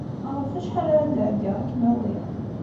Ɣef wacḥal ara d-ɛeddiɣ ad kem-awiɣ?